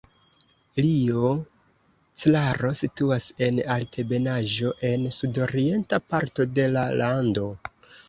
Rio Claro situas en altebenaĵo en sudorienta parto de la lando.